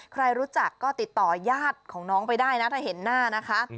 ใครรู้จักก็ติดต่อยาดของน้องไปได้นะถ้าเห็นหน้านะคะ